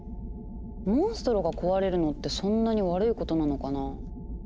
モンストロが壊れるのってそんなに悪いことなのかな？